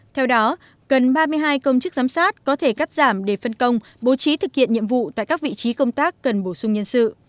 theo đó cần ba mươi hai công chức giám sát có thể cắt giảm để phân công bố trí thực hiện nhiệm vụ tại các vị trí công tác cần bổ sung nhân sự